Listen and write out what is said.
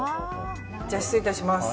じゃあ、失礼いたします。